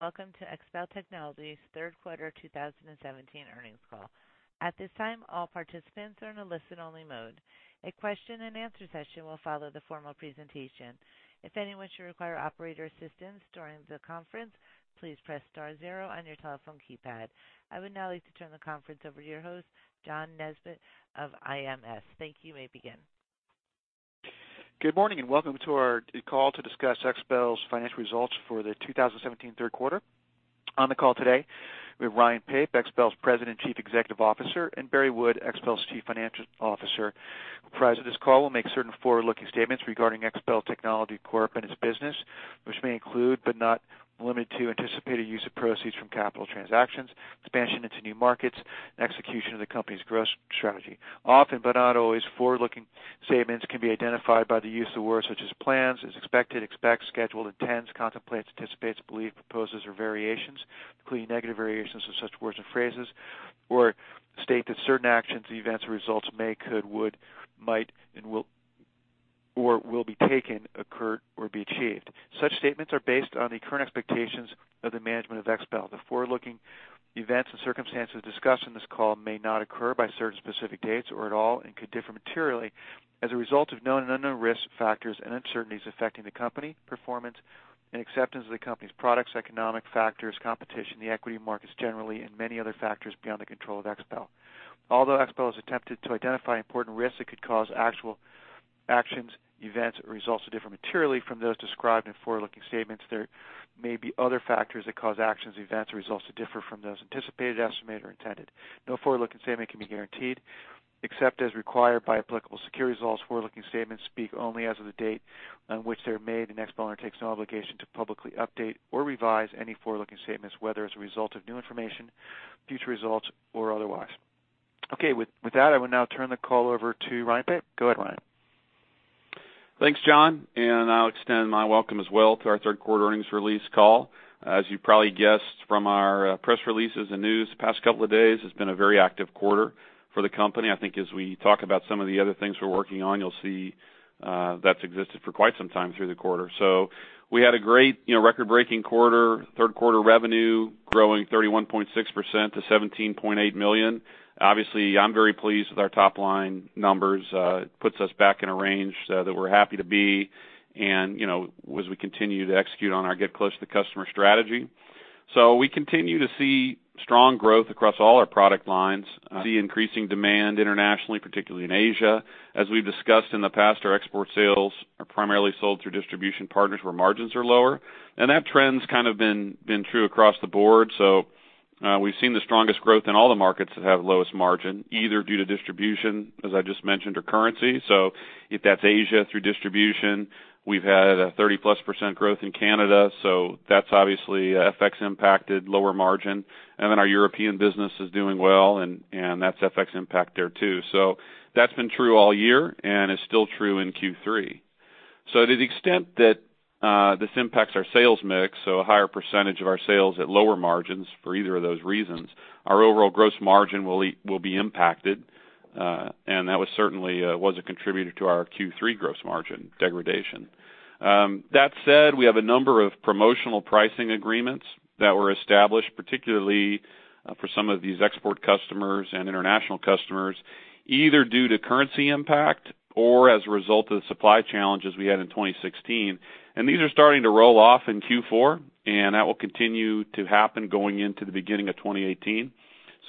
Welcome to XPEL Technologies third quarter 2017 earnings call. At this time, all participants are in a listen-only mode. A question and answer session will follow the formal presentation. If anyone should require operator assistance during the conference, please press star zero on your telephone keypad. I would now like to turn the conference over to your host, John Nesbett of IMS. Thank you. You may begin. Good morning, and welcome to our call to discuss XPEL's financial results for the 2017 third quarter. On the call today, we have Ryan Pape, XPEL's President Chief Executive Officer, and Barry Wood, XPEL's Chief Financial Officer. Prior to this call, we'll make certain forward-looking statements regarding XPEL Technologies Corp. and its business, which may include, but not limited to anticipated use of proceeds from capital transactions, expansion into new markets, execution of the company's growth strategy. Often, but not always, forward-looking statements can be identified by the use of words such as plans, as expected, expect, schedule, intends, contemplates, anticipates, believe, proposes or variations, including negative variations of such words and phrases or state that certain actions, events or results may, could, would, might and will or will be taken, occur or be achieved. Such statements are based on the current expectations of the management of XPEL. The forward-looking events and circumstances discussed in this call may not occur by certain specific dates or at all and could differ materially as a result of known and unknown risk factors and uncertainties affecting the company, performance and acceptance of the company's products, economic factors, competition, the equity markets generally and many other factors beyond the control of XPEL. Although XPEL has attempted to identify important risks that could cause actual actions, events or results to differ materially from those described in forward-looking statements, there may be other factors that cause actions, events or results to differ from those anticipated, estimated or intended. No forward-looking statement can be guaranteed except as required by applicable securities laws. Forward-looking statements speak only as of the date on which they're made. XPEL undertakes no obligation to publicly update or revise any forward-looking statements, whether as a result of new information, future results or otherwise. Okay. With that, I will now turn the call over to Ryan Pape. Go ahead, Ryan. Thanks, John, and I'll extend my welcome as well to our third quarter earnings release call. As you probably guessed from our press releases and news the past couple of days, it's been a very active quarter for the company. I think as we talk about some of the other things we're working on, you'll see that's existed for quite some time through the quarter. We had a great, you know, record-breaking quarter, third quarter revenue growing 31.6% to $17.8 million. Obviously, I'm very pleased with our top line numbers. It puts us back in a range that we're happy to be and, you know, as we continue to execute on our get close to customer strategy. We continue to see strong growth across all our product lines, see increasing demand internationally, particularly in Asia. As we've discussed in the past, our export sales are primarily sold through distribution partners where margins are lower, and that trend's kind of been true across the board. We've seen the strongest growth in all the markets that have lowest margin, either due to distribution, as I just mentioned, or currency. If that's Asia through distribution, we've had a 30+% growth in Canada, that's obviously FX impacted lower margin. Our European business is doing well and that's FX impact there too. That's been true all year, and it's still true in Q3. To the extent that this impacts our sales mix, a higher percentage of our sales at lower margins for either of those reasons, our overall gross margin will be impacted, and that was certainly was a contributor to our Q3 gross margin degradation. That said, we have a number of promotional pricing agreements that were established, particularly for some of these export customers and international customers, either due to currency impact or as a result of the supply challenges we had in 2016. These are starting to roll off in Q4, and that will continue to happen going into the beginning of 2018.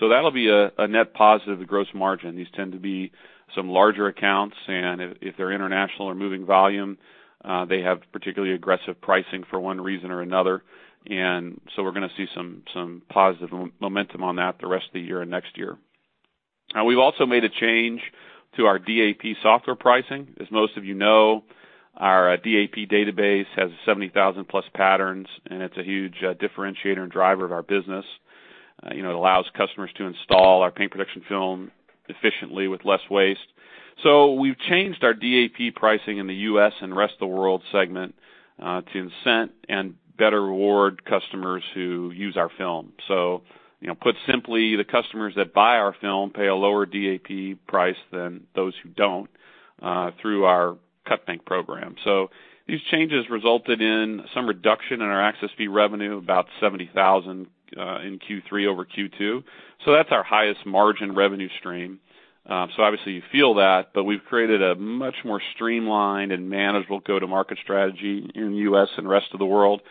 That'll be a net positive to gross margin. These tend to be some larger accounts, and if they're international or moving volume, they have particularly aggressive pricing for one reason or another. We're gonna see some positive momentum on that the rest of the year and next year. We've also made a change to our DAP software pricing. As most of you know, our DAP database has 70,000+ patterns, and it's a huge differentiator and driver of our business. You know, it allows customers to install our paint protection film efficiently with less waste. We've changed our DAP pricing in the U.S. and rest of the world segment to incent and better reward customers who use our film. You know, put simply, the customers that buy our film pay a lower DAP price than those who don't through our cut film program. These changes resulted in some reduction in our access fee revenue, about $70,000 in Q3 over Q2. That's our highest margin revenue stream. Obviously you feel that, but we've created a much more streamlined and manageable go-to-market strategy in the U.S. and rest of the world.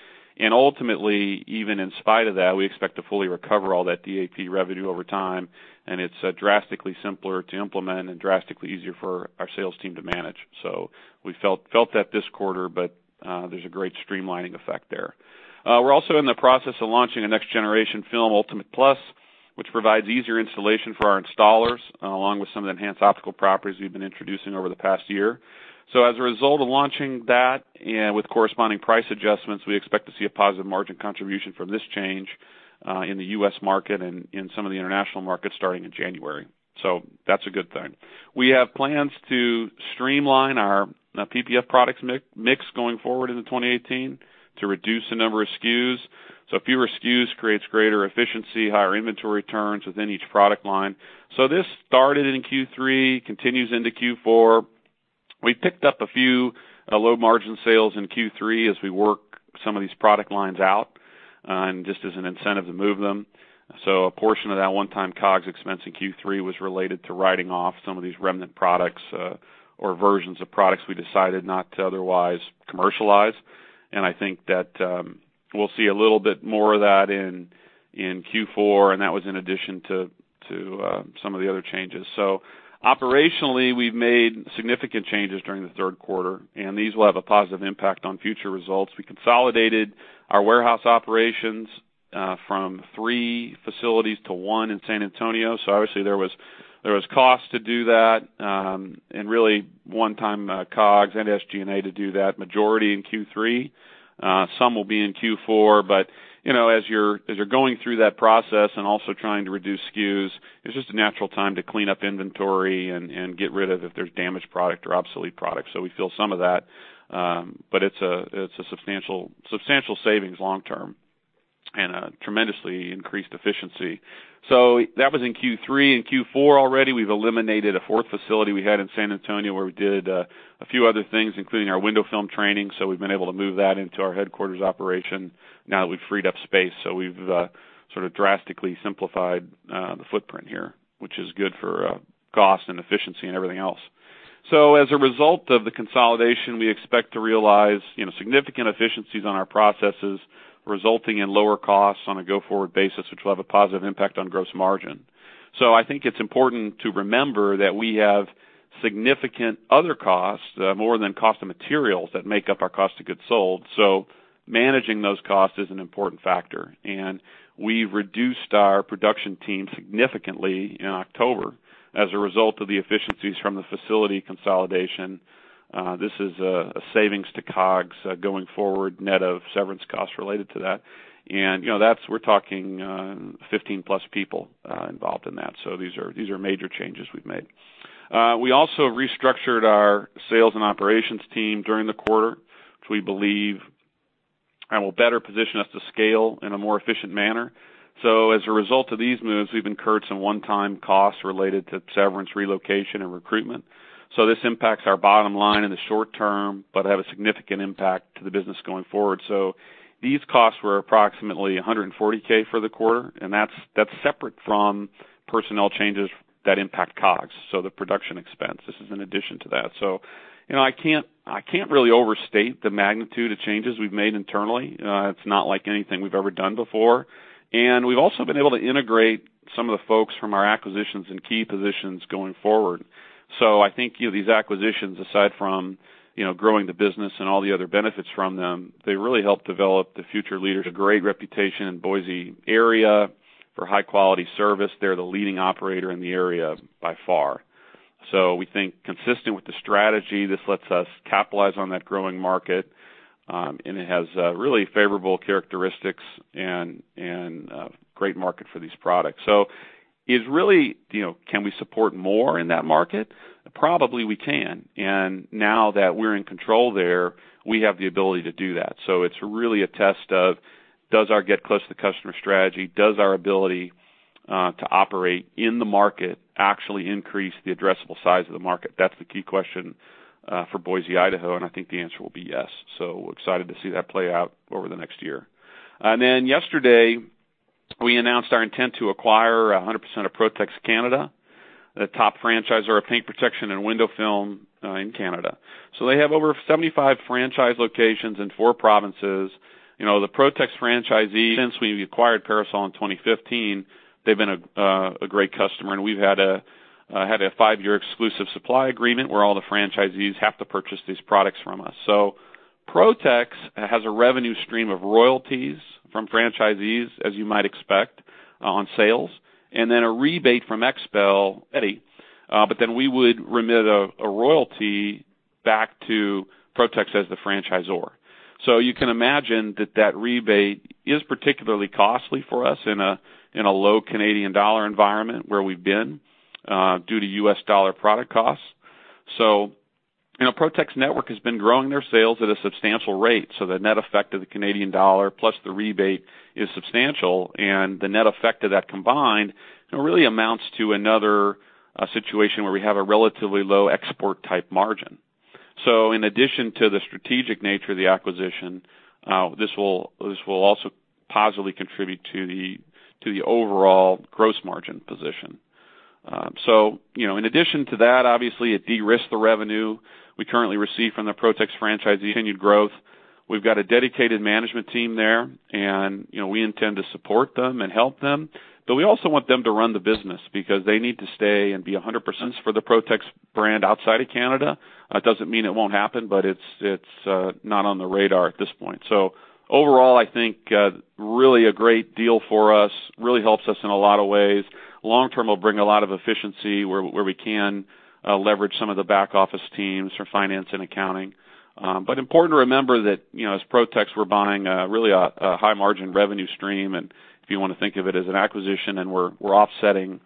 Ultimately, even in spite of that, we expect to fully recover all that DAP revenue over time. It's drastically simpler to implement and drastically easier for our sales team to manage. We felt that this quarter, but there's a great streamlining effect there. We're also in the process of launching a next generation film, Ultimate Plus, which provides easier installation for our installers along with some of the enhanced optical properties we've been introducing over the past year. As a result of launching that and with corresponding price adjustments, we expect to see a positive margin contribution from this change in the US market and in some of the international markets starting in January. That's a good thing. We have plans to streamline our PPF products mix going forward into 2018 to reduce the number of SKUs. Fewer SKUs creates greater efficiency, higher inventory turns within each product line. This started in Q3, continues into Q4. We picked up a few low margin sales in Q3 as we work some of these product lines out, and just as an incentive to move them. A portion of that one-time COGS expense in Q3 was related to writing off some of these remnant products or versions of products we decided not to otherwise commercialize. I think that we'll see a little bit more of that in Q4, and that was in addition to some of the other changes. Operationally, we've made significant changes during the third quarter, and these will have a positive impact on future results. We consolidated our warehouse operations from three facilities to one in San Antonio. Obviously, there was cost to do that, and really one-time COGS and SG&A to do that, majority in Q3. Some will be in Q4. You know, as you're going through that process and also trying to reduce SKUs, it's just a natural time to clean up inventory and get rid of if there's damaged product or obsolete product. We feel some of that, but it's a substantial savings long term and a tremendously increased efficiency. In Q4 already, we've eliminated a fourth facility we had in San Antonio, where we did a few other things, including our window film training. We've been able to move that into our headquarters operation now that we've freed up space. We've sort of drastically simplified the footprint here, which is good for cost and efficiency and everything else. As a result of the consolidation, we expect to realize, you know, significant efficiencies on our processes, resulting in lower costs on a go-forward basis, which will have a positive impact on gross margin. I think it's important to remember that we have significant other costs, more than cost of materials that make up our cost of goods sold. Managing those costs is an important factor. We've reduced our production team significantly in October as a result of the efficiencies from the facility consolidation. This is a savings to COGS going forward, net of severance costs related to that. You know, we're talking 15+ people involved in that. These are major changes we've made. We also restructured our sales and operations team during the quarter, which we believe will better position us to scale in a more efficient manner. As a result of these moves, we've incurred some one-time costs related to severance, relocation, and recruitment. This impacts our bottom line in the short term but have a significant impact to the business going forward. These costs were approximately $140K for the quarter, and that's separate from personnel changes that impact COGS, so the production expense. This is in addition to that. You know, I can't really overstate the magnitude of changes we've made internally. It's not like anything we've ever done before. We've also been able to integrate some of the folks from our acquisitions in key positions going forward. I think, you know, these acquisitions, aside from, you know, growing the business and all the other benefits from them, they really help develop the future leaders a great reputation in Boise area for high-quality service. They're the leading operator in the area by far. We think consistent with the strategy, this lets us capitalize on that growing market, and it has really favorable characteristics and a great market for these products. You know, can we support more in that market? Probably we can. Now that we're in control there, we have the ability to do that. It's really a test of, does our get-close-to-the-customer strategy, does our ability to operate in the market actually increase the addressable size of the market? That's the key question for Boise, Idaho, and I think the answer will be yes. We're excited to see that play out over the next year. Yesterday, we announced our intent to acquire 100% of Protex Canada, a top franchisor of paint protection and window film in Canada. They have over 75 franchise locations in four provinces. You know, the Protex franchisee, since we acquired Parasol in 2015, they've been a great customer, and we've had a five-year exclusive supply agreement where all the franchisees have to purchase these products from us. Protex has a revenue stream of royalties from franchisees, as you might expect, on sales, and then a rebate from XPEL directly. We would remit a royalty back to Protex as the franchisor. You can imagine that that rebate is particularly costly for us in a low Canadian dollar environment where we've been due to US dollar product costs. You know, Protex network has been growing their sales at a substantial rate, so the net effect of the Canadian dollar plus the rebate is substantial. The net effect of that combined, you know, really amounts to another situation where we have a relatively low export type margin. In addition to the strategic nature of the acquisition, this will also positively contribute to the overall gross margin position. You know, in addition to that, obviously it de-risks the revenue we currently receive from the Protex franchisees continued growth. We've got a dedicated management team there, and, you know, we intend to support them and help them. We also want them to run the business because they need to stay and be 100% for the Protex brand outside of Canada. Doesn't mean it won't happen, but it's not on the radar at this point. Overall, I think, really a great deal for us, really helps us in a lot of ways. Long term will bring a lot of efficiency where we can leverage some of the back-office teams for finance and accounting. Important to remember that, you know, as Protex, we're buying really a high margin revenue stream. If you wanna think of it as an acquisition and we're offsetting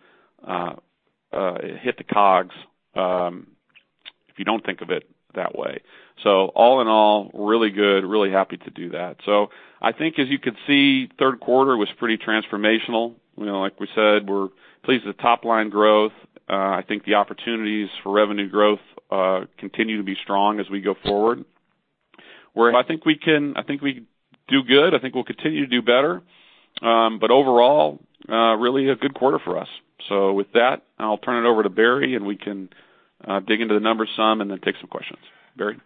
hit the COGS, if you don't think of it that way. All in all, really good, really happy to do that. I think as you could see, third quarter was pretty transformational. You know, like we said, we're pleased with the top-line growth. I think the opportunities for revenue growth continue to be strong as we go forward. Where I think we do good. I think we'll continue to do better. Overall, really a good quarter for us. With that, I'll turn it over to Barry, and we can dig into the numbers some and then take some questions. Barry?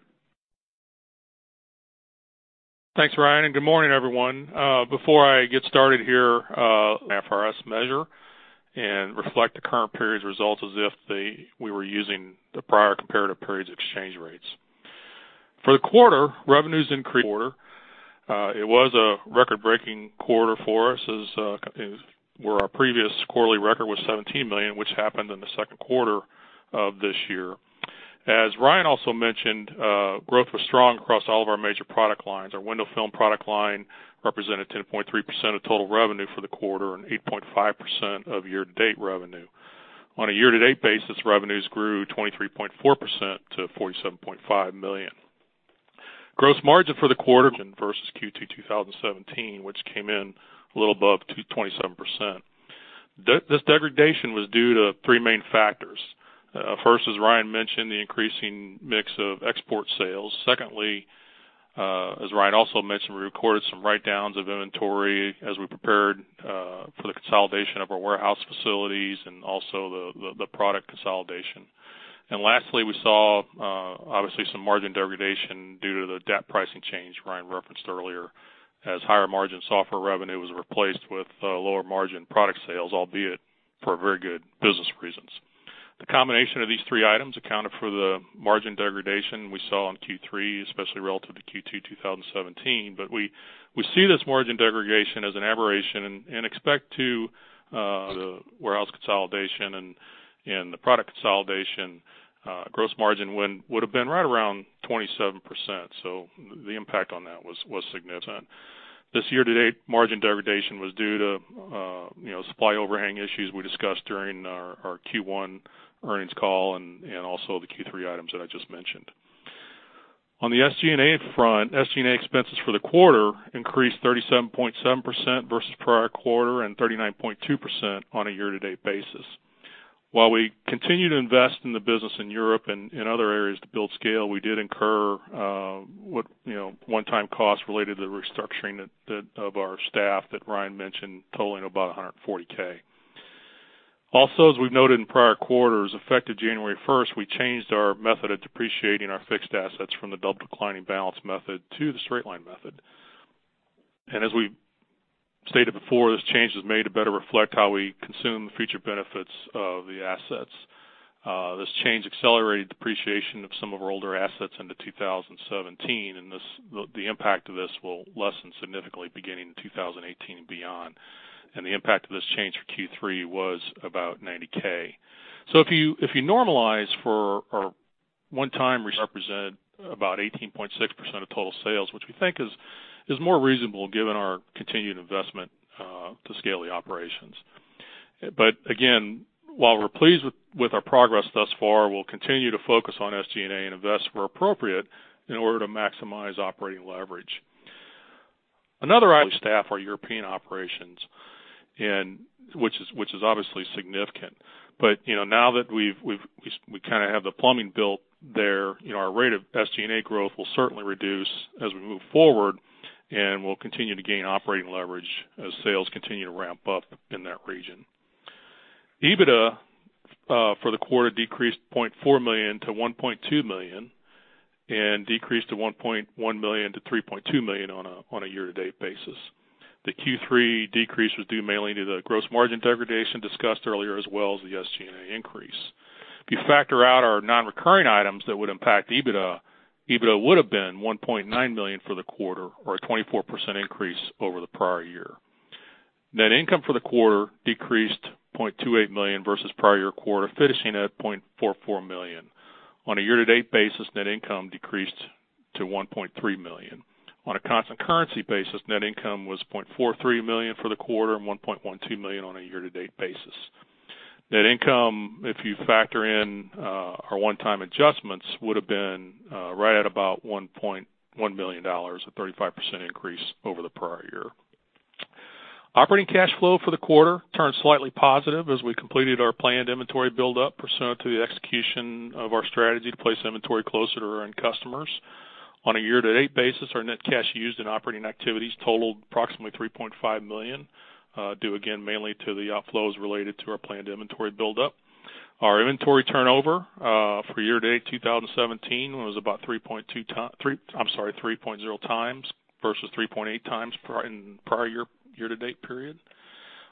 Thanks, Ryan. Good morning, everyone. Before I get started here, IFRS measure and reflect the current period's results as if we were using the prior comparative period's exchange rates. For the quarter, revenues increased quarter. It was a record-breaking quarter for us as where our previous quarterly record was $17 million, which happened in the second quarter of this year. As Ryan also mentioned, growth was strong across all of our major product lines. Our window film product line represented 10.3% of total revenue for the quarter and 8.5% of year-to-date revenue. On a year-to-date basis, revenues grew 23.4% to $47.5 million. Gross margin for the quarter versus Q2 2017, which came in a little above 27%. This degradation was due to three main factors. First, as Ryan mentioned, the increasing mix of export sales. Secondly, as Ryan also mentioned, we recorded some write-downs of inventory as we prepared for the consolidation of our warehouse facilities and also the product consolidation. Lastly, we saw obviously some margin degradation due to the DAP pricing change Ryan referenced earlier as higher margin software revenue was replaced with lower margin product sales, albeit for very good business reasons. The combination of these three items accounted for the margin degradation we saw in Q3, especially relative to Q2 2017. We see this margin degradation as an aberration and expect to. The warehouse consolidation and the product consolidation gross margin win would have been right around 27%. The impact on that was significant. This year to date, margin degradation was due to, you know, supply overhang issues we discussed during our Q1 earnings call and also the Q3 items that I just mentioned. On the SG&A front, SG&A expenses for the quarter increased 37.7% versus prior quarter and 39.2% on a year-to-date basis. While we continue to invest in the business in Europe and in other areas to build scale, we did incur, you know, one-time costs related to the restructuring of our staff that Ryan mentioned totaling about $140K. Also, as we've noted in prior quarters, effective January 1st, we changed our method of depreciating our fixed assets from the double declining balance method to the straight-line method. As we stated before, this change was made to better reflect how we consume the future benefits of the assets. This change accelerated depreciation of some of our older assets into 2017, and the impact of this will lessen significantly beginning in 2018 and beyond. The impact of this change for Q3 was about $90K. Represent about 18.6% of total sales, which we think is more reasonable given our continued investment to scale the operations. Again, while we're pleased with our progress thus far, we'll continue to focus on SG&A and invest where appropriate in order to maximize operating leverage. Another item. Staff our European operations, which is obviously significant. You know, now that we kind of have the plumbing built there, you know, our rate of SG&A growth will certainly reduce as we move forward, and we'll continue to gain operating leverage as sales continue to ramp up in that region. EBITDA for the quarter decreased $0.4 million-$1.2 million and decreased to $1.1 million-$3.2 million on a year-to-date basis. The Q3 decrease was due mainly to the gross margin degradation discussed earlier, as well as the SG&A increase. If you factor out our non-recurring items that would impact EBITDA would have been $1.9 million for the quarter or a 24% increase over the prior year. Net income for the quarter decreased $0.28 million versus prior year quarter, finishing at $0.44 million. On a year-to-date basis, net income decreased to $1.3 million. On a constant currency basis, net income was $0.43 million for the quarter and $1.12 million on a year-to-date basis. Net income, if you factor in our one-time adjustments, would have been right at about $1.1 million, a 35% increase over the prior year. Operating cash flow for the quarter turned slightly positive as we completed our planned inventory build up pursuant to the execution of our strategy to place inventory closer to our end customers. On a year-to-date basis, our net cash used in operating activities totaled approximately $3.5 million, due again mainly to the outflows related to our planned inventory buildup. Our inventory turnover for year-to-date 2017 was about 3.0 times versus 3.8 times in prior year-to-date period.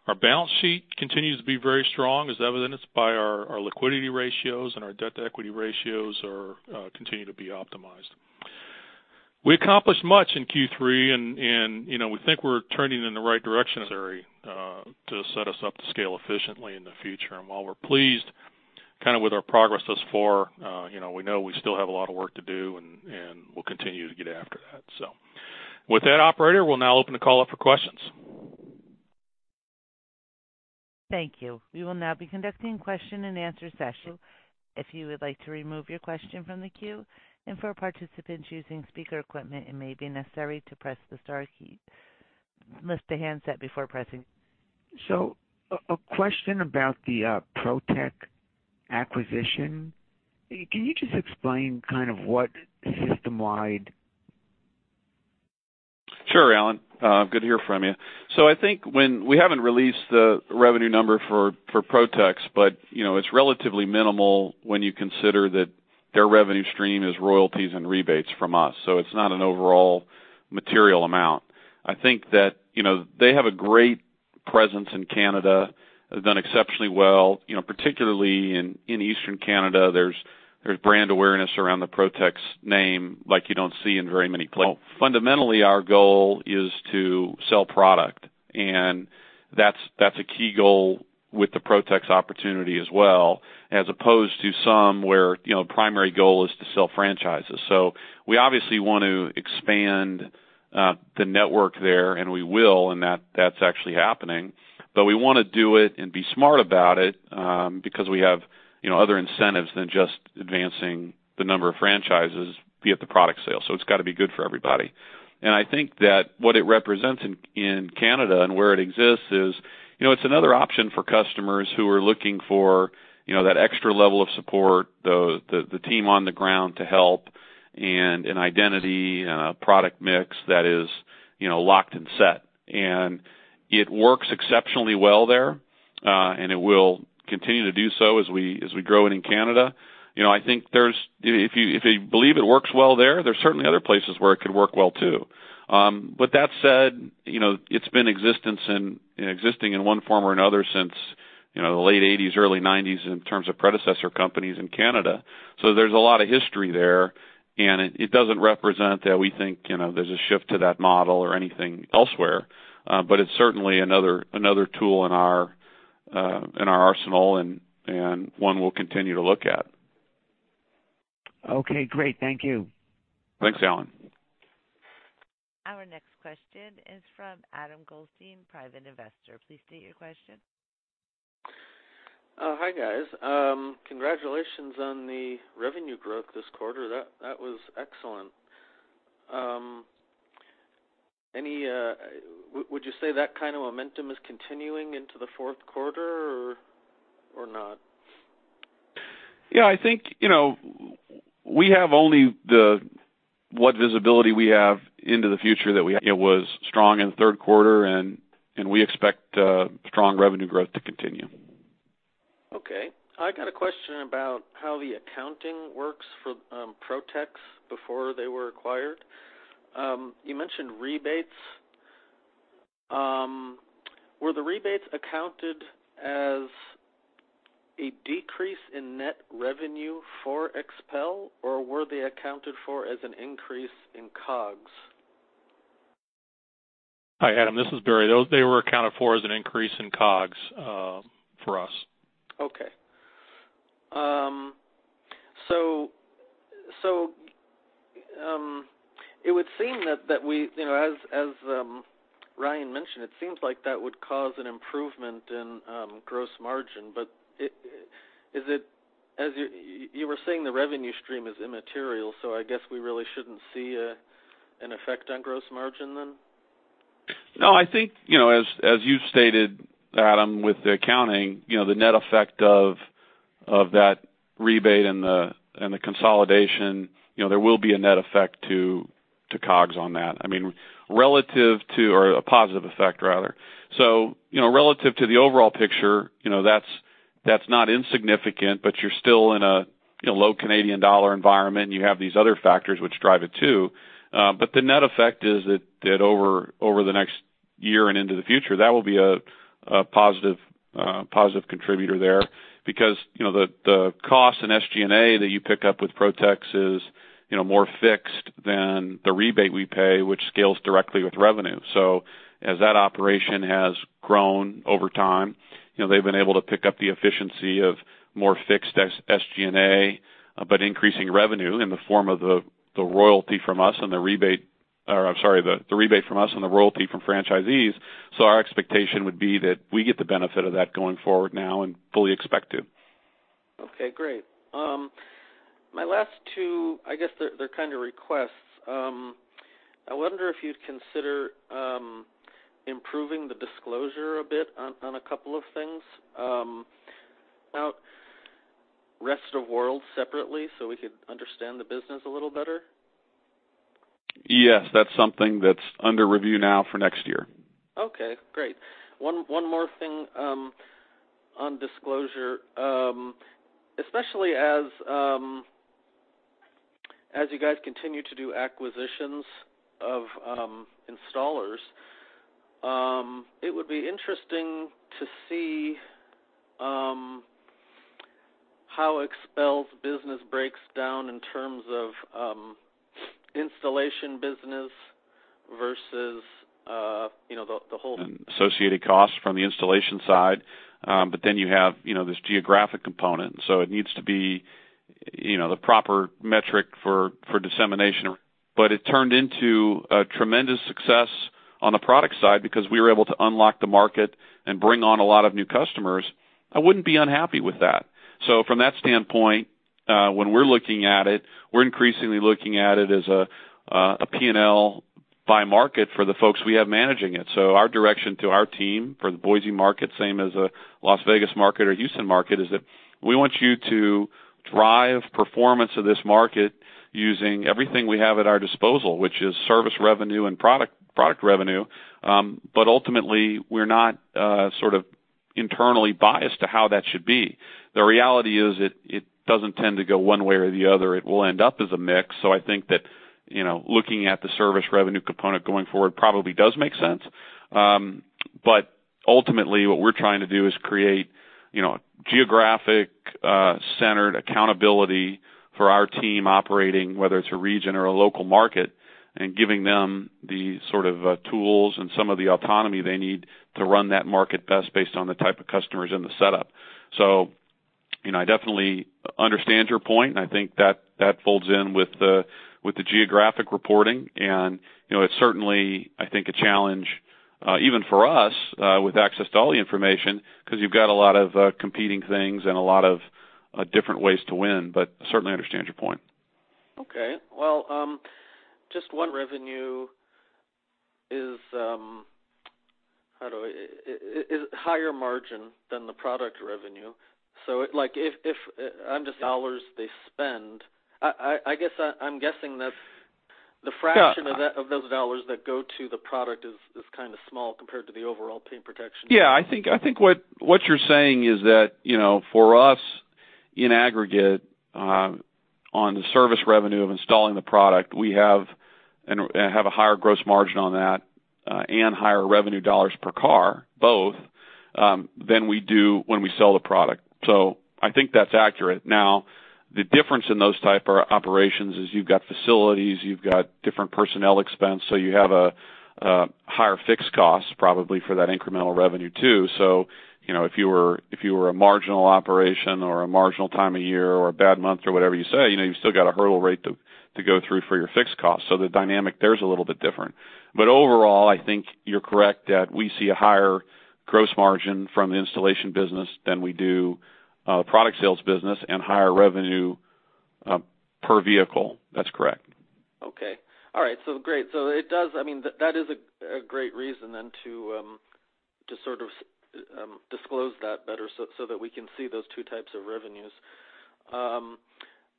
Our balance sheet continues to be very strong as evidenced by our liquidity ratios and our debt equity ratios are continue to be optimized. We accomplished much in Q3 and, you know, we think we're turning in the right direction to set us up to scale efficiently in the future. While we're pleased kind of with our progress thus far, you know, we know we still have a lot of work to do and we'll continue to get after that. With that, operator, we'll now open the call up for questions. Thank you. We will now be conducting question and answer session. If you would like to remove your question from the queue and for participants using speaker equipment, it may be necessary to press the star key. Lift the handset before pressing. A question about the Protex acquisition. Can you just explain kind of what system-wide-? Sure, Alan. good to hear from you. I think when we haven't released the revenue number for Protex, but, you know, it's relatively minimal when you consider that their revenue stream is royalties and rebates from us. It's not an overall material amount. I think that, you know, they have a great presence in Canada, have done exceptionally well. You know, particularly in Eastern Canada, there's brand awareness around the Protex name like you don't see in very many places. Well, fundamentally, our goal is to sell product, and that's a key goal with the Protex opportunity as well, as opposed to some where, you know, primary goal is to sell franchises. We obviously want to expand the network there, and we will, and that's actually happening. We wanna do it and be smart about it, because we have, you know, other incentives than just advancing the number of franchises via the product sale. It's gotta be good for everybody. I think that what it represents in Canada and where it exists is, you know, it's another option for customers who are looking for, you know, that extra level of support, the team on the ground to help and an identity and a product mix that is, you know, locked and set. It works exceptionally well there, and it will continue to do so as we grow it in Canada. You know, if you believe it works well there's certainly other places where it could work well too. That said, you know, it's been existing in one form or another since, you know, the late 1980s, early 1990s in terms of predecessor companies in Canada. There's a lot of history there, and it doesn't represent that we think, you know, there's a shift to that model or anything elsewhere. It's certainly another tool in our, in our arsenal and one we'll continue to look at. Okay, great. Thank you. Thanks, Alan. Our next question is from Adam Goldstein, private investor. Please state your question. Hi, guys. Congratulations on the revenue growth this quarter. That was excellent. Any, would you say that kind of momentum is continuing into the fourth quarter or not? Yeah, I think, you know, You know, was strong in the third quarter, and we expect strong revenue growth to continue. Okay. I got a question about how the accounting works for Protex before they were acquired. You mentioned rebates. Were the rebates accounted as a decrease in net revenue for XPEL, or were they accounted for as an increase in COGS? Hi, Adam. This is Barry. They were accounted for as an increase in COGS for us. Okay. It would seem that we You know, as Ryan mentioned, it seems like that would cause an improvement in gross margin, but As you were saying, the revenue stream is immaterial, I guess we really shouldn't see an effect on gross margin then? No, I think, you know, as you stated, Adam, with the accounting, you know, the net effect of that rebate and the consolidation, you know, there will be a net effect to COGS on that. I mean, relative to Or a positive effect rather. You know, relative to the overall picture, you know, that's not insignificant, but you're still in a, you know, low Canadian dollar environment. You have these other factors which drive it too. The net effect is that over the next year and into the future, that will be a positive contributor there. You know, the cost in SG&A that you pick up with Protex is, you know, more fixed than the rebate we pay, which scales directly with revenue. As that operation has grown over time, you know, they've been able to pick up the efficiency of more fixed SG&A, but increasing revenue in the form of the royalty from us and the rebate from us and the royalty from franchisees. Our expectation would be that we get the benefit of that going forward now and fully expect to. Okay, great. My last two, I guess they're kind of requests. I wonder if you'd consider improving the disclosure a bit on a couple of things, about rest of world separately, so we could understand the business a little better. Yes. That's something that's under review now for next year. Okay, great. One more thing, on disclosure. Especially as you guys continue to do acquisitions of installers, it would be interesting to see how XPEL's business breaks down in terms of installation business versus, you know, the whole- Associated costs from the installation side. you know, this geographic component, so it needs to be, you know, the proper metric for dissemination. It turned into a tremendous success on the product side because we were able to unlock the market and bring on a lot of new customers. I wouldn't be unhappy with that. From that standpoint. When we're looking at it, we're increasingly looking at it as a P&L by market for the folks we have managing it. Our direction to our team for the Boise market, same as a Las Vegas market or Houston market, is that we want you to drive performance of this market using everything we have at our disposal, which is service revenue and product revenue. Ultimately, we're not sort of internally biased to how that should be. The reality is it doesn't tend to go one way or the other. It will end up as a mix. I think that, you know, looking at the service revenue component going forward probably does make sense. Ultimately, what we're trying to do is create, you know, geographic centered accountability for our team operating, whether it's a region or a local market, and giving them the sort of tools and some of the autonomy they need to run that market best based on the type of customers in the setup. You know, I definitely understand your point, and I think that folds in with the geographic reporting. You know, it's certainly, I think, a challenge even for us with access to all the information, 'cause you've got a lot of competing things and a lot of different ways to win. Certainly understand your point. Okay. Well, just one revenue is higher margin than the product revenue. Like, if, I'm just dollars they spend. I guess I'm guessing. Yeah of those dollars that go to the product is kind of small compared to the overall paint protection. Yeah, I think what you're saying is that, you know, for us in aggregate, on the service revenue of installing the product, we have a higher gross margin on that and higher revenue dollars per car, both, than we do when we sell the product. I think that's accurate. Now, the difference in those type of operations is you've got facilities, you've got different personnel expense, so you have a higher fixed cost probably for that incremental revenue too. You know, if you were a marginal operation or a marginal time of year or a bad month or whatever you say, you know, you've still got a hurdle rate to go through for your fixed cost. The dynamic there is a little bit different. Overall, I think you're correct that we see a higher gross margin from the installation business than we do product sales business and higher revenue per vehicle. That's correct. Okay. All right. Great. It does I mean, that is a great reason then to sort of disclose that better so that we can see those two types of revenues.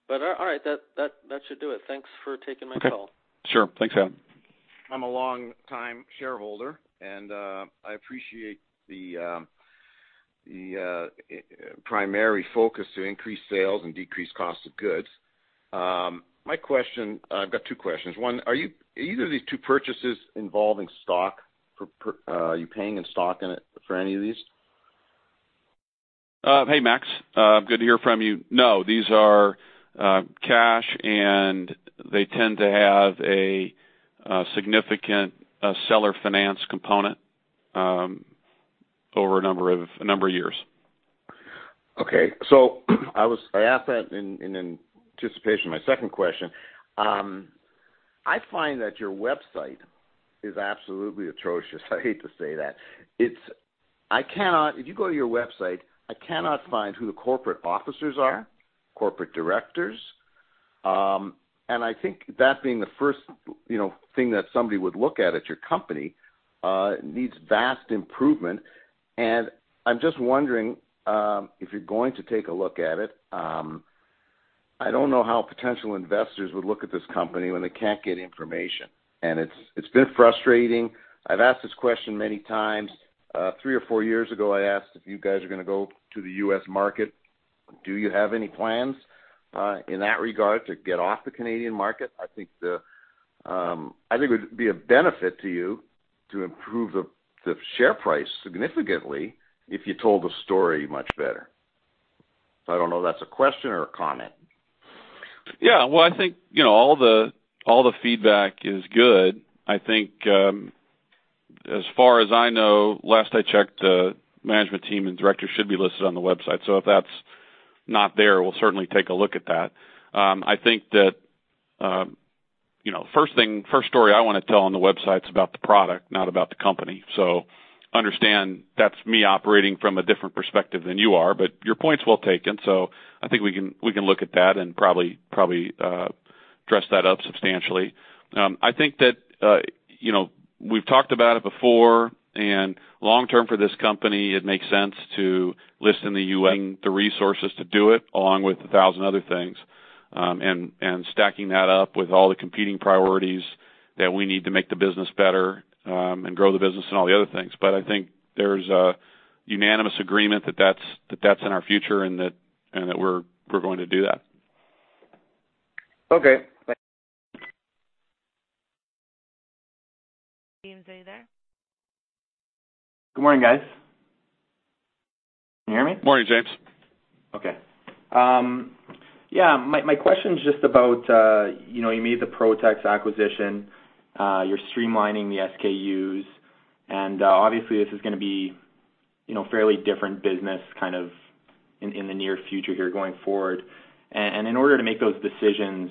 All right, that should do it. Thanks for taking my call. Okay. Sure. Thanks, Adam. I'm a longtime shareholder, I appreciate the primary focus to increase sales and decrease cost of goods. I've got two questions. One, are you paying in stock in it for any of these? Hey, Max. Good to hear from you. No, these are cash, and they tend to have a significant seller finance component over a number of years. Okay. I asked that in anticipation of my second question. I find that your website is absolutely atrocious. I hate to say that. If you go to your website, I cannot find who the corporate officers are. Yeah corporate directors. I think that being the first, you know, thing that somebody would look at at your company, needs vast improvement. I'm just wondering if you're going to take a look at it. I don't know how potential investors would look at this company when they can't get information, and it's been frustrating. I've asked this question many times. three or four years ago, I asked if you guys are gonna go to the US market. Do you have any plans in that regard to get off the Canadian market? I think it would be a benefit to you to improve the share price significantly if you told the story much better. I don't know if that's a question or a comment. Yeah. Well, I think, you know, all the feedback is good. I think, as far as I know, last I checked, the management team and directors should be listed on the website. If that's not there, we'll certainly take a look at that. I think that, you know, first thing, first story I wanna tell on the website's about the product, not about the company. Understand that's me operating from a different perspective than you are, but your point's well taken. I think we can, we can look at that and probably dress that up substantially. I think that, you know, we've talked about it before. Long term for this company, it makes sense to list in the U.S., having the resources to do it, along with 1,000 other things, and stacking that up with all the competing priorities that we need to make the business better, and grow the business and all the other things. I think there's a unanimous agreement that that's in our future, and that we're going to do that. Okay. Thank you. James, are you there? Good morning, guys. Can you hear me? Morning, James. Okay. Yeah, my question is just about, you know, you made the Protex acquisition, you're streamlining the SKUs, obviously this is gonna be, you know, fairly different business kind of in the near future here going forward. In order to make those decisions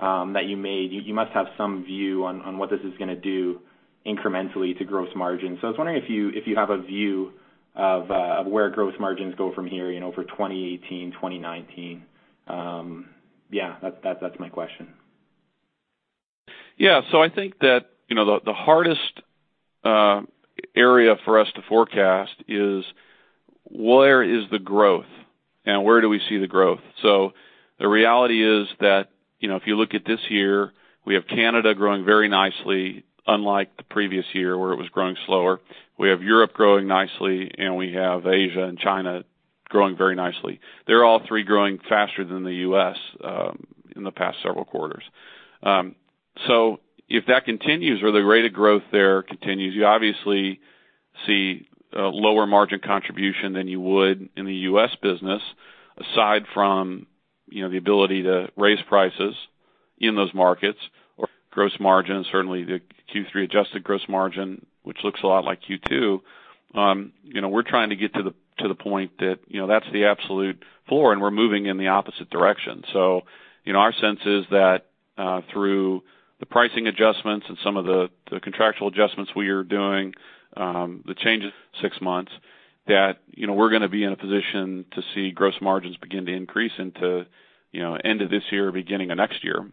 that you made, you must have some view on what this is gonna do incrementally to gross margin. I was wondering if you, if you have a view of where gross margins go from here, you know, for 2018, 2019. Yeah, that's my question. I think that, you know, the hardest area for us to forecast is where is the growth and where do we see the growth? The reality is that, you know, if you look at this year, we have Canada growing very nicely, unlike the previous year where it was growing slower. We have Europe growing nicely, and we have Asia and China growing very nicely. They're all three growing faster than the U.S. in the past several quarters. If that continues or the rate of growth there continues, you obviously see a lower margin contribution than you would in the U.S. business, aside from, you know, the ability to raise prices in those markets or gross margin. Certainly, the Q3 adjusted gross margin, which looks a lot like Q2. You know, we're trying to get to the, to the point that, you know, that's the absolute floor, and we're moving in the opposite direction. You know, our sense is that, through the pricing adjustments and some of the contractual adjustments we are doing, the changes six months, that, you know, we're gonna be in a position to see gross margins begin to increase into, you know, end of this year, beginning of next year.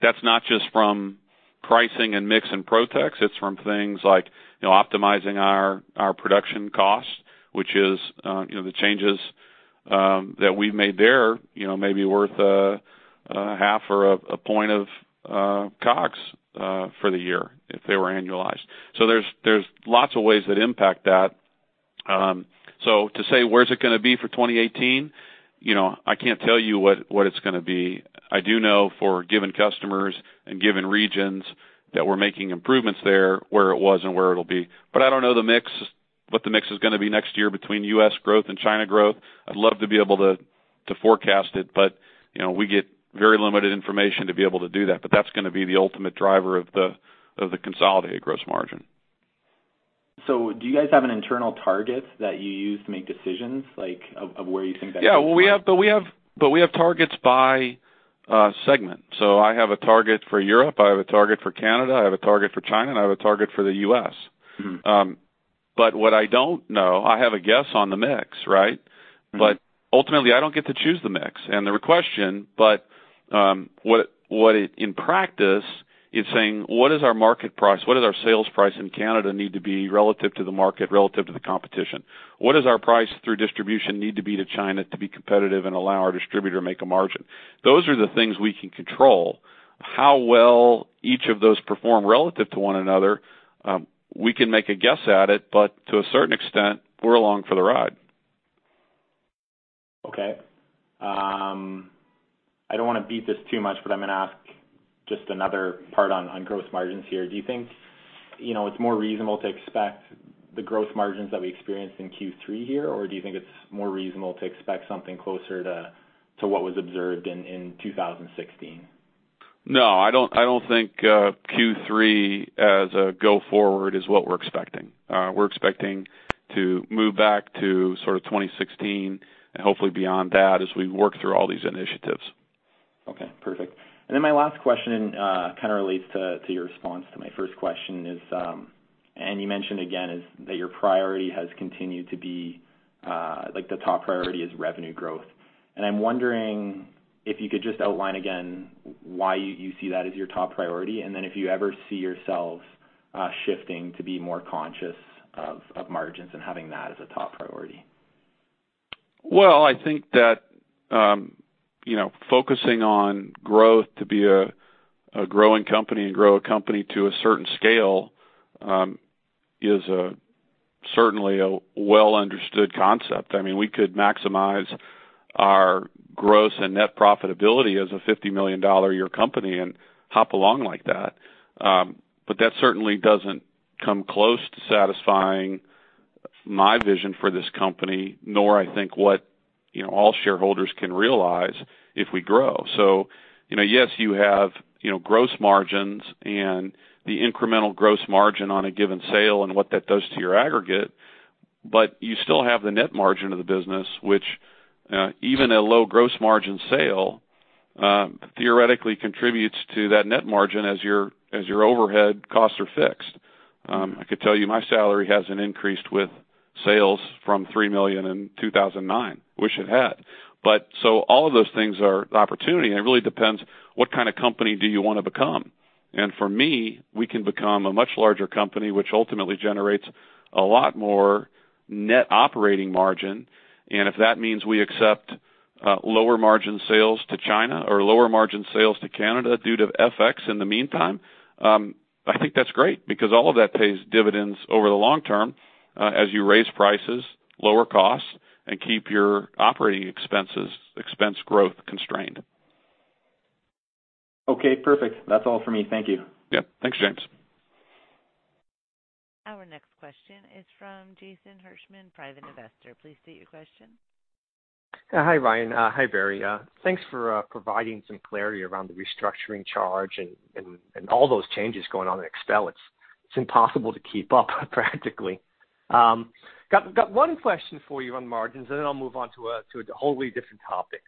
That's not just from pricing and mix and Protex. It's from things like, you know, optimizing our production costs, which is, you know, the changes that we've made there, you know, may be worth a half or a point of COGS for the year if they were annualized. There's lots of ways that impact that. To say, where's it gonna be for 2018? You know, I can't tell you what it's gonna be. I do know for given customers and given regions that we're making improvements there where it was and where it'll be. I don't know the mix, what the mix is gonna be next year between U.S. growth and China growth. I'd love to be able to forecast it, but, you know, we get very limited information to be able to do that. That's gonna be the ultimate driver of the, of the consolidated gross margin. Do you guys have an internal target that you use to make decisions, like, of where you think? Yeah. Well, but we have targets by segment. I have a target for Europe, I have a target for Canada, I have a target for China, and I have a target for the U.S. What I don't know, I have a guess on the mix, right? Ultimately, I don't get to choose the mix. The question, what it, in practice is saying, "What is our market price? What does our sales price in Canada need to be relative to the market, relative to the competition? What does our price through distribution need to be to China to be competitive and allow our distributor to make a margin?" Those are the things we can control. How well each of those perform relative to one another, we can make a guess at it, to a certain extent, we're along for the ride. Okay. I don't wanna beat this too much, but I'm gonna ask just another part on gross margins here. Do you think, you know, it's more reasonable to expect the gross margins that we experienced in Q3 here? Or do you think it's more reasonable to expect something closer to what was observed in 2016? No, I don't think Q3 as a go forward is what we're expecting. We're expecting to move back to sort of 2016 and hopefully beyond that as we work through all these initiatives. Okay. Perfect. My last question, kind of relates to your response to my first question is, and you mentioned again is that your priority has continued to be, like the top priority is revenue growth. I'm wondering if you could just outline again why you see that as your top priority, and then if you ever see yourself shifting to be more conscious of margins and having that as a top priority. Well, I think that, you know, focusing on growth to be a growing company and grow a company to a certain scale, is certainly a well-understood concept. I mean, we could maximize our gross and net profitability as a $50 million a year company and hop along like that. That certainly doesn't come close to satisfying my vision for this company, nor I think what, you know, all shareholders can realize if we grow. Yes, you have, you know, gross margins and the incremental gross margin on a given sale and what that does to your aggregate, but you still have the net margin of the business, which even a low gross margin sale, theoretically contributes to that net margin as your, as your overhead costs are fixed. I could tell you my salary hasn't increased with sales from $3 million in 2009. Wish it had. All of those things are opportunity, and it really depends what kind of company do you wanna become. For me, we can become a much larger company, which ultimately generates a lot more net operating margin. If that means we accept lower margin sales to China or lower margin sales to Canada due to FX in the meantime, I think that's great because all of that pays dividends over the long term as you raise prices, lower costs, and keep your operating expenses, expense growth constrained. Okay, perfect. That's all for me. Thank you. Yeah. Thanks, James. Our next question is from Jason Hirschman, private investor. Please state your question. Hi, Ryan. Hi, Barry. Thanks for providing some clarity around the restructuring charge and all those changes going on in XPEL. It's impossible to keep up practically. Got one question for you on margins, and then I'll move on to a wholly different topic.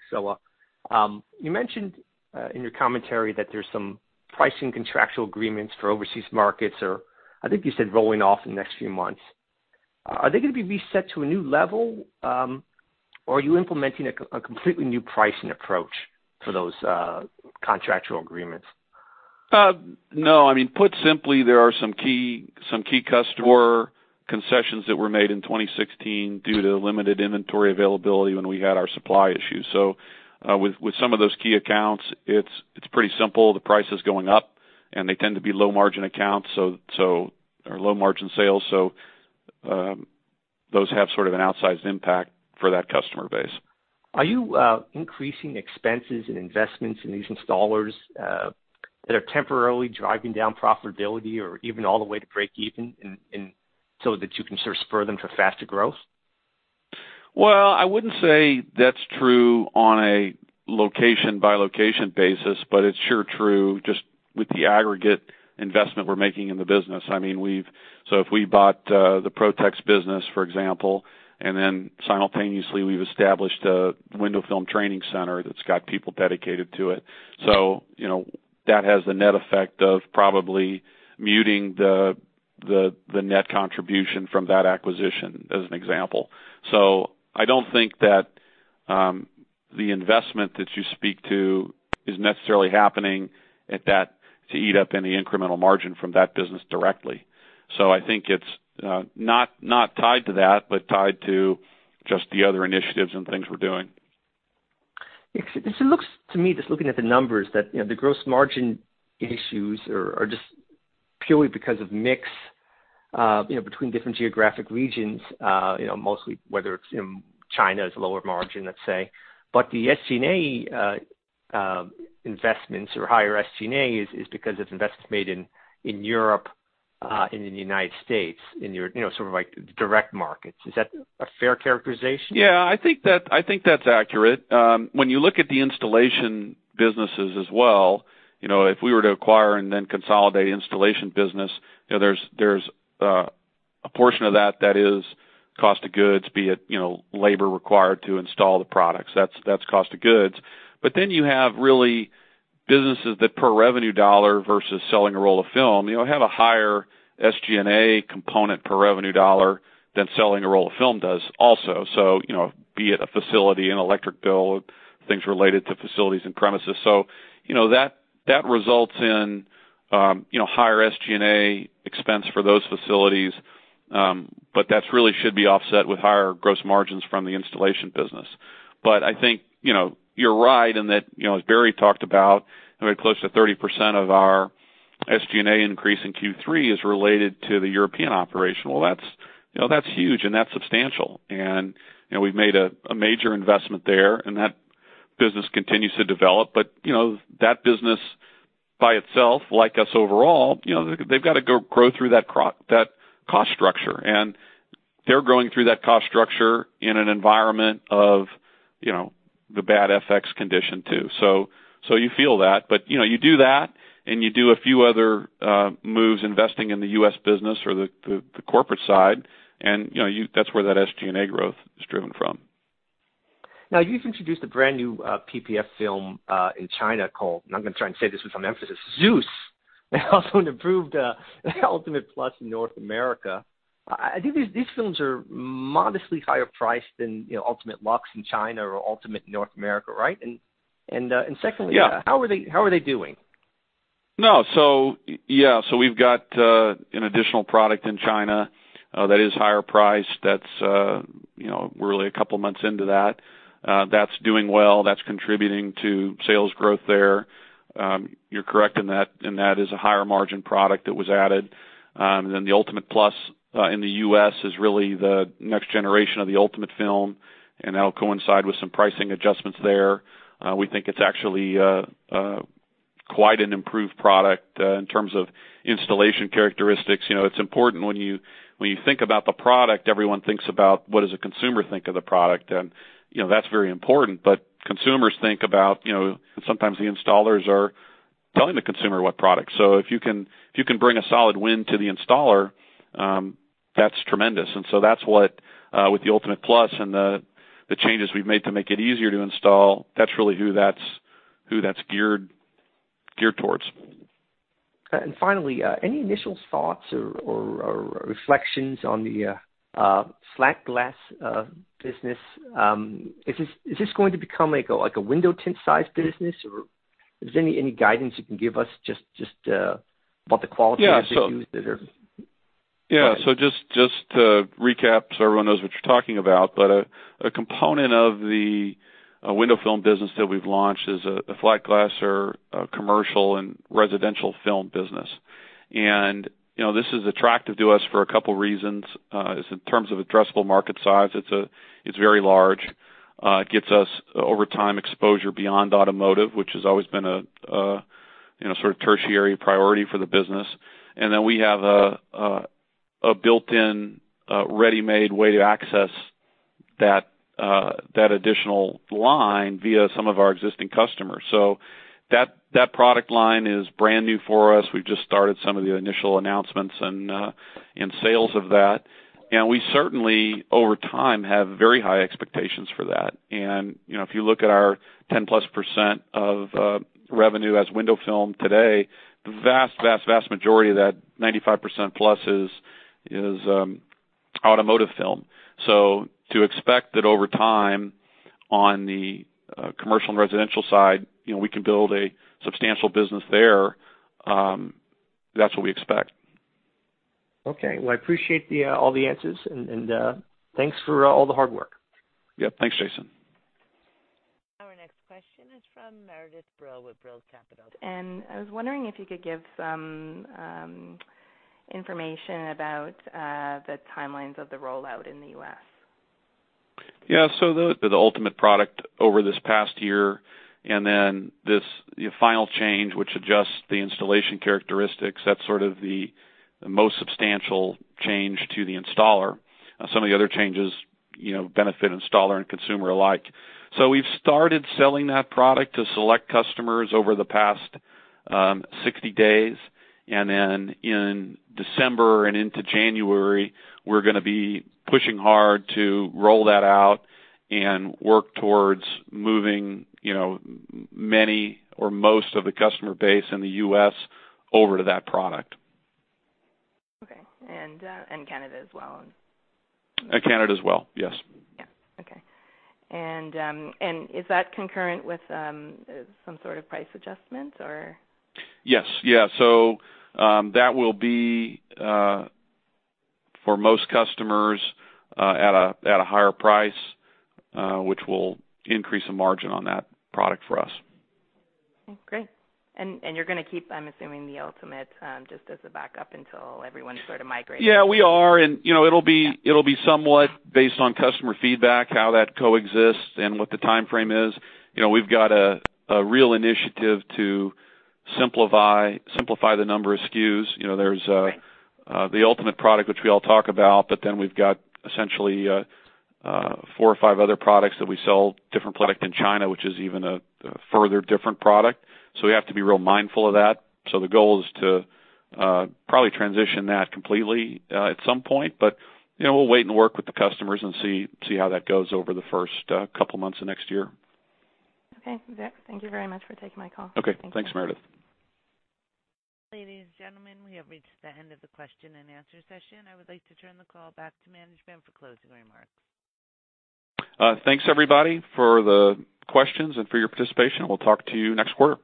You mentioned in your commentary that there's some pricing contractual agreements for overseas markets, or I think you said rolling off in the next few months. Are they going to be reset to a new level, or are you implementing a completely new pricing approach for those contractual agreements? No. I mean, put simply, there are some key customer concessions that were made in 2016 due to limited inventory availability when we had our supply issues. With some of those key accounts, it's pretty simple. The price is going up, and they tend to be low margin accounts, or low margin sales, those have sort of an outsized impact for that customer base. Are you increasing expenses and investments in these installers that are temporarily driving down profitability or even all the way to breakeven and so that you can sort of spur them for faster growth? Well, I wouldn't say that's true on a location-by-location basis, but it's sure true just with the aggregate investment we're making in the business. I mean, if we bought the Protex business, for example, and then simultaneously we've established a window film training center that's got people dedicated to it. You know, that has the net effect of probably muting the net contribution from that acquisition, as an example. I don't think that the investment that you speak to is necessarily happening at that to eat up any incremental margin from that business directly. I think it's not tied to that, but tied to just the other initiatives and things we're doing. It looks to me, just looking at the numbers, that, you know, the gross margin issues are just purely because of mix, you know, between different geographic regions, you know, mostly whether it's in China is lower margin, let's say. The SG&A investments or higher SG&A is because of investments made in Europe, and in the U.S., in your, you know, sort of like direct markets. Is that a fair characterization? I think that's accurate. When you look at the installation businesses as well, you know, if we were to acquire and then consolidate installation business, you know, there's a portion of that that is COGS, be it, you know, labor required to install the products. That's COGS. You have really businesses that per revenue dollar versus selling a roll of film, you know, have a higher SG&A component per revenue dollar than selling a roll of film does also. Be it a facility, an electric bill, things related to facilities and premises. That results in, you know, higher SG&A expense for those facilities, but that's really should be offset with higher gross margins from the installation business. I think, you know, you're right in that, you know, as Barry talked about, I mean, close to 30% of our SG&A increase in Q3 is related to the European operation. That's, you know, that's huge, and that's substantial. You know, we've made a major investment there, and that business continues to develop. You know, that business by itself, like us overall, you know, they've gotta go grow through that cost structure. They're growing through that cost structure in an environment of, you know, the bad FX condition too. You feel that. You know, you do that, and you do a few other moves investing in the US business or the corporate side and, you know, that's where that SG&A growth is driven from. You've introduced a brand new PPF film in China called, and I'm gonna try and say this with some emphasis, ZEUS, also an improved ULTIMATE PLUS in North America. I think these films are modestly higher priced than, you know, LUX PLUS in China or ULTIMATE in North America, right? Yeah How are they doing? No. Yeah. We've got an additional product in China that is higher priced that's, you know, we're only two months into that. That's doing well. That's contributing to sales growth there. You're correct in that, in that is a higher margin product that was added. The ULTIMATE PLUS in the U.S. is really the next generation of the ULTIMATE film, and that'll coincide with some pricing adjustments there. We think it's actually quite an improved product in terms of installation characteristics. You know, it's important when you think about the product, everyone thinks about what does a consumer think of the product and, you know, that's very important. Consumers think about, you know, and sometimes the installers are telling the consumer what product. If you can, if you can bring a solid win to the installer, that's tremendous. That's what, with the ULTIMATE PLUS and the changes we've made to make it easier to install, that's really who that's, who that's geared towards. Finally, any initial thoughts or reflections on the flat glass business? Is this going to become like a window tint size business or is there any guidance you can give us just about the quality issues? Yeah. Just to recap so everyone knows what you're talking about. A component of the window film business that we've launched is a flat glass or a commercial and residential film business. You know, this is attractive to us for a couple reasons. Is in terms of addressable market size, it's very large. It gets us over time exposure beyond automotive, which has always been a, you know, sort of tertiary priority for the business. Then we have a built-in, ready-made way to access that additional line via some of our existing customers. That product line is brand new for us. We've just started some of the initial announcements and sales of that. We certainly, over time, have very high expectations for that. You know, if you look at our 10%+ of revenue as window film today, the vast, vast majority of that 95%+ is, automotive film. To expect that over time on the commercial and residential side, you know, we can build a substantial business there, that's what we expect. Okay. Well, I appreciate the all the answers and thanks for all the hard work. Yep. Thanks, Jason. Our next question is from Meredith Brill with Brill Capital. I was wondering if you could give some information about the timelines of the rollout in the U.S. The ULTIMATE product over this past year and then this, you know, final change which adjusts the installation characteristics, that's sort of the most substantial change to the installer. Some of the other changes, you know, benefit installer and consumer alike. We've started selling that product to select customers over the past 60 days. And then in December and into January, we're gonna be pushing hard to roll that out and work towards moving, you know, many or most of the customer base in the U.S. over to that product. Okay. Canada as well. Canada as well, yes. Yeah. Okay. Is that concurrent with some sort of price adjustments or? Yes. Yeah. That will be for most customers, at a higher price, which will increase the margin on that product for us. Okay, great. You're gonna keep, I'm assuming, the ULTIMATE just as a backup until everyone sort of migrates. Yeah, we are. You know, it'll be somewhat based on customer feedback, how that coexists and what the timeframe is. You know, we've got a real initiative to simplify the number of SKUs. You know, there's. Right the ULTIMATE product which we all talk about, but then we've got essentially, four or five other products that we sell, different product in China which is even a further different product. We have to be real mindful of that. The goal is to probably transition that completely at some point. You know, we'll wait and work with the customers and see how that goes over the first couple months of next year. Okay. [Vic], thank you very much for taking my call. Okay. Thank you. Thanks, Meredith. Ladies and gentlemen, we have reached the end of the question and answer session. I would like to turn the call back to management for closing remarks. Thanks everybody for the questions and for your participation. We'll talk to you next quarter.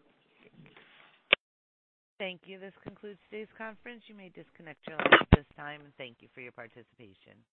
Thank you. This concludes today's conference. You may disconnect your lines at this time. Thank you for your participation.